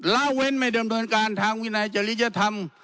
ละเว้นไม่เดิมเนินการทางวินัยจริยธรรม